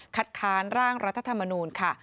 ค้านร่างรัฐธรรมนูลค่ะ